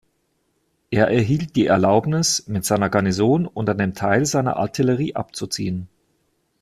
Er erhielt die Erlaubnis, mit seiner Garnison und einem Teil seiner Artillerie abzuziehen.